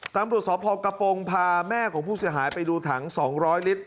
ตำรวจสพกระโปรงพาแม่ของผู้เสียหายไปดูถัง๒๐๐ลิตร